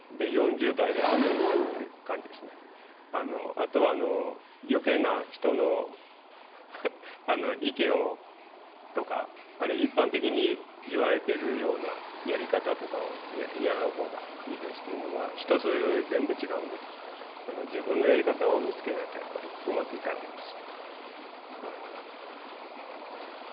あとは余計な人の意見とかあるいは一般的にいわれてるようなやり方とかをやらんほうがいいですというのは人それぞれ全部違うんで自分のやり方を見つけないとやっぱりうまくいかないです。